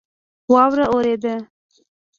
واوره اوورېده